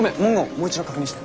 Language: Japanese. もう一度確認して。